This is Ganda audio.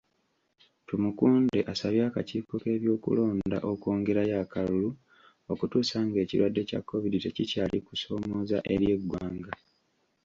Tumukunde asabye akakiiko k'ebyokulonda okwongerayo akalulu okutuusa ng'ekirwadde kya COVID tekikyali kusoomooza eri eggwanga.